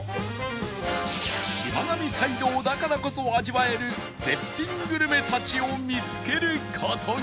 しまなみ海道だからこそ味わえる絶品グルメたちを見つける事に